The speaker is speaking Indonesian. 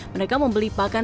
mereka membeli pakan